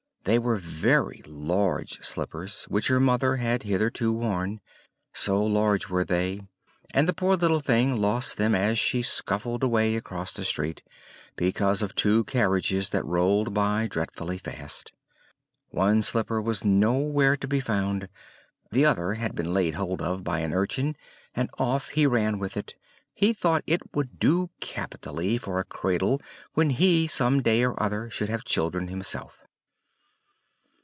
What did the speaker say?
They were very large slippers, which her mother had hitherto worn; so large were they; and the poor little thing lost them as she scuffled away across the street, because of two carriages that rolled by dreadfully fast. One slipper was nowhere to be found; the other had been laid hold of by an urchin, and off he ran with it; he thought it would do capitally for a cradle when he some day or other should have children himself.